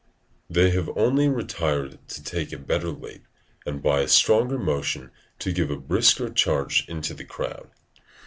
] they have only retired to take a better leap, and by a stronger motion to give a brisker charge into the crowd.